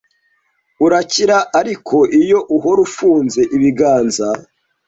urakira ariko iyo uhora ufunze ibiganza